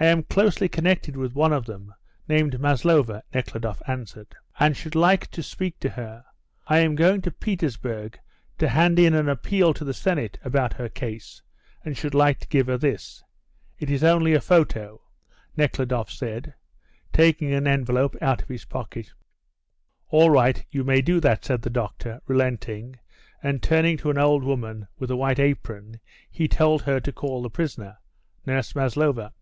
"I am closely connected with one of them, named Maslova," Nekhludoff answered, "and should like to speak to her. I am going to Petersburg to hand in an appeal to the Senate about her case and should like to give her this. It is only a photo," Nekhludoff said, taking an envelope out of his pocket. "All right, you may do that," said the doctor, relenting, and turning to an old woman with a white apron, he told her to call the prisoner Nurse Maslova.